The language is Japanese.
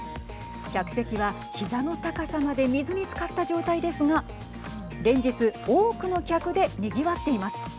客席は膝の高さまで水につかった状態ですが連日多くの客でにぎわっています。